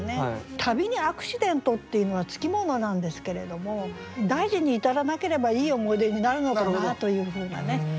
旅にアクシデントっていうのは付き物なんですけれども大事に至らなければいい思い出になるのかなというふうなね。